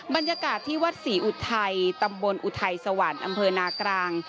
บรรยากาศที่วัดศรีอุทัยตำบลอุทัยสวรรค์อำเภอนากลาง